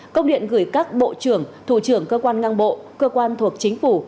công điện gửi các bộ trưởng thủ trưởng cơ quan ngang bộ cơ quan thuộc chính phủ